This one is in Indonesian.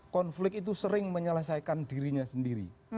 konflik itu sering menyelesaikan dirinya sendiri